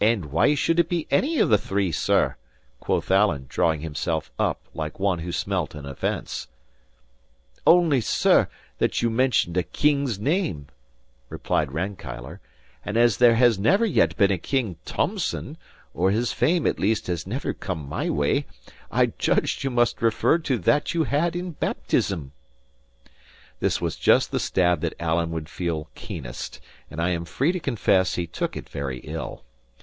"And why should it be any of the three, sir?" quoth Alan, drawing himself up, like one who smelt an offence. "Only, sir, that you mentioned a king's name," replied Rankeillor; "and as there has never yet been a King Thomson, or his fame at least has never come my way, I judged you must refer to that you had in baptism." This was just the stab that Alan would feel keenest, and I am free to confess he took it very ill.